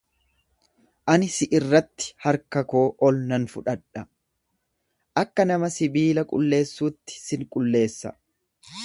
Ani si irratti harka koo ol nan fudhadha, akka nama sibiila qulleessuutti sin qulleessa.